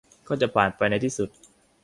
ก็จะผ่านไปในที่สุด